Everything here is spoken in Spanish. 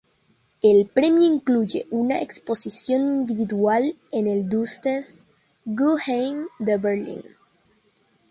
El premio incluye una exposición individual en el Deutsche Guggenheim de Berlín.